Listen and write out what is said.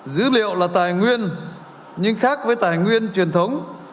dữ liệu là tài nguyên nhưng khác với tài nguyên truyền thống